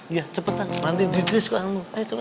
iya cepetan nanti didisk kamu ayo cepet